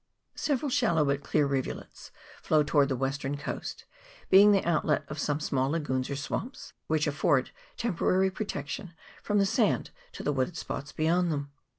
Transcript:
Several shallow but clear rivulets flow towards the western coast, being the outlet of some small lagoons or swamps, which afford temporary protection from the sand to the wooded spots beyond them.